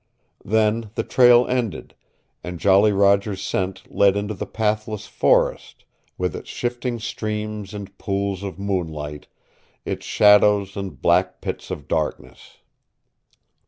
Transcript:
Then the trail ended, and Jolly Roger's scent led into the pathless forest, with its shifting streams and pools of moonlight, its shadows and black pits of darkness.